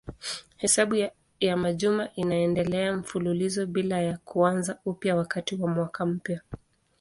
Hesabu ya majuma inaendelea mfululizo bila ya kuanza upya wakati wa mwaka mpya.